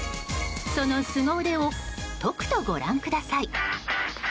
そのスゴ腕をとくとご覧ください。